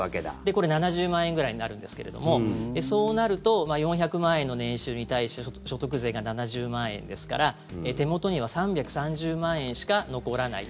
これ、７０万円ぐらいになるんですけれどもそうなると４００万円の年収に対して所得税が７０万円ですから手元には３３０万円しか残らないと。